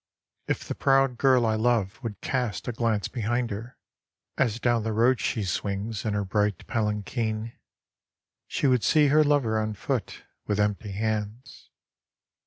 IF the proud girl I love would cast a glance behind her, As down the road she swings in her bright palanquin, She would see her lover on foot, with empty hands.